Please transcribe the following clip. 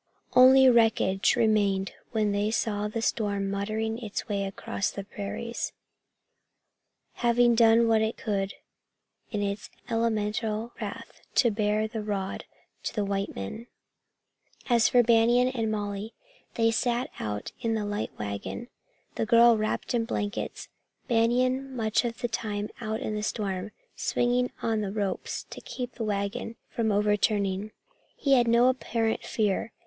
Only wreckage remained when they saw the storm muttering its way across the prairies, having done what it could in its elemental wrath to bar the road to the white man. As for Banion and Molly, they sat it out in the light wagon, the girl wrapped in blankets, Banion much of the time out in the storm, swinging on the ropes to keep the wagon from overturning. He had no apparent fear.